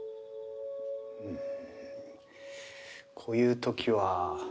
うんこういうときは。